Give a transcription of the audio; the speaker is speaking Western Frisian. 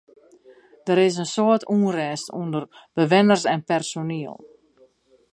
Der is in soad ûnrêst ûnder bewenners en personiel.